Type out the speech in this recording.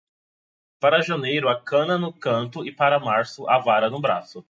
Para janeiro a cana no canto e para março a vara no braço.